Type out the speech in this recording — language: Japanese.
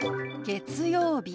「月曜日」。